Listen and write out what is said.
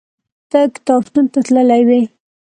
ته کتابتون ته تللی وې؟